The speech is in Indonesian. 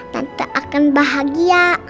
tante akan bahagia